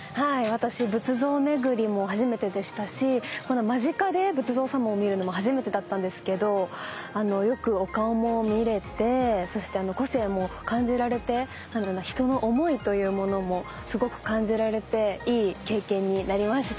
私仏像巡りも初めてでしたしこんな間近で仏像様を見るのも初めてだったんですけどよくお顔も見れてそして個性も感じられて何だろな人の思いというものもすごく感じられていい経験になりました。